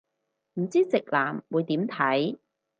唔知直男會點睇